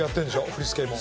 振り付けも。